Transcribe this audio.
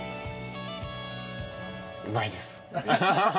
うまいです。